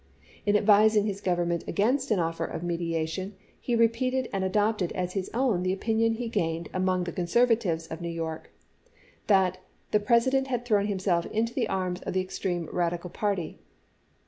In advising his Government against an offer of mediation he repeated and adopted as his own the opinion he gained among the conservatives of New York, that " the President had thrown himself into the arms of the extreme Radical party."